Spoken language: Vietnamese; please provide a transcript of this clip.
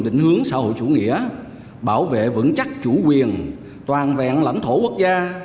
định hướng xã hội chủ nghĩa bảo vệ vững chắc chủ quyền toàn vẹn lãnh thổ quốc gia